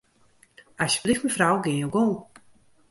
Asjebleaft mefrou, gean jo gong.